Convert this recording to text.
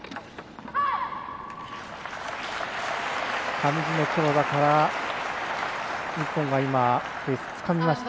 上地の強打から日本がペースつかみました。